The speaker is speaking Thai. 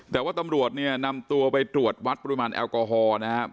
แต่ว่าตำรวจเนี่ยนำตัวไปตรวจวัดปริมาณแอลกอฮอล์นะครับ